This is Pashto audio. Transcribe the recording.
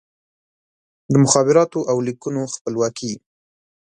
د مخابراتو او لیکونو خپلواکي